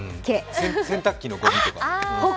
洗濯機のごみとか？